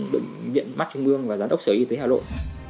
bệnh viện mắt trung mương và giám đốc sở y tế hà nội